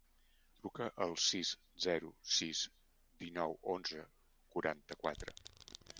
Truca al sis, zero, sis, dinou, onze, quaranta-quatre.